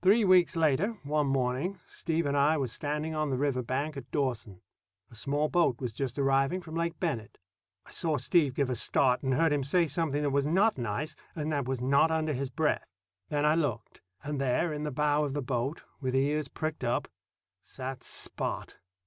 Three weeks later, one morning, Steve and I were standing on the river bank at Dawson. A small boat was just arriving from Lake Bennett. I saw Steve give a start, and heard him say something that was not nice and that was not under his breath. Then I looked; and there, in the bow of the boat, with ears pricked up, sat Spot.